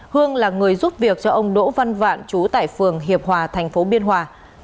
hương là người giúp việc cho ông đỗ văn vạn chú tại phường hiệp hòa thành phố biên hòa